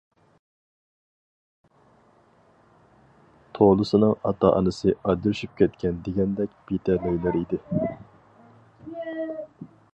تولىسىنىڭ ئاتا-ئانىسى ئاجرىشىپ كەتكەن دېگەندەك بىتەلەيلەر ئىدى.